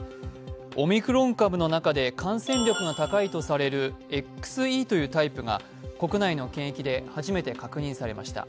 オミクロン株の中で感染力が高いとされるＸＥというタイプが国内の検疫で初めて確認されました。